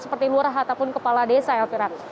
seperti lurah ataupun kepala desa elvira